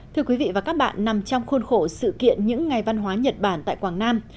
thưa quý vị và các bạn nằm trong khuôn khổ sự kiện những ngày văn hóa nhật bản tại quảng nam